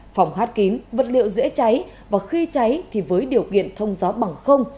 phòng hát kín vật liệu dễ cháy và khi cháy thì với điều kiện thông gió bằng không